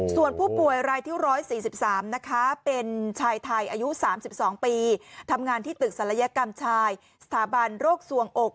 ส่วนผู้ป่วยรายที่๑๔๓นะคะเป็นชายไทยอายุ๓๒ปีทำงานที่ตึกศัลยกรรมชายสถาบันโรคส่วงอก